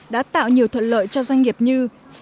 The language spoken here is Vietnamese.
đã tạo nhiều thuận lợi cho doanh nghiệp như